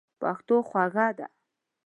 پښتو خوږه ده.